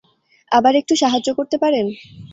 আবার একটু সাহায্য করতে পারেন?